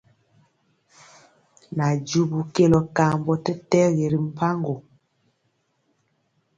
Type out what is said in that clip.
Najubu kelɔ kambɔ tɛtɛgi ri mpaŋgo.